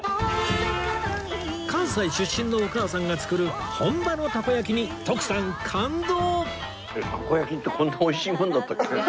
関西出身のお母さんが作る本場のたこ焼きに徳さん感動！